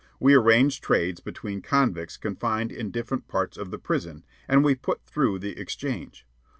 We arranged trades between convicts confined in different parts of the prison, and we put through the exchange.